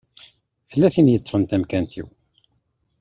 Tella tin i yeṭṭfen tamkant-iw.